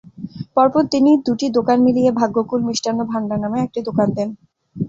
পরে তিনি দুটি দোকান মিলিয়ে ভাগ্যকুল মিষ্টান্ন ভান্ডার নামে একটি দোকান করেন।